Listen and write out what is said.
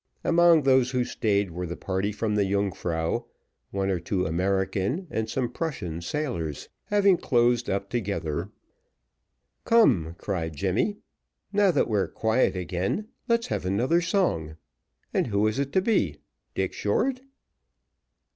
Among those who stayed were the party from the Yungfrau, one or two American, and some Prussian sailors. Having closed up together, "Come," cried Jemmy, "now that we are quiet again, let's have another song; and who is it to be Dick Short?"